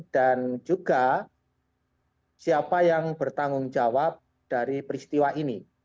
dan juga siapa yang bertanggung jawab dari peristiwa ini